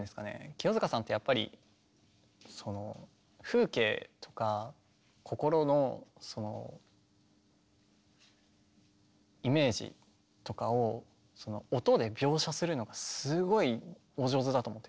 清塚さんってやっぱりその風景とか心のそのイメージとかを音で描写するのがすごいお上手だと思ってて。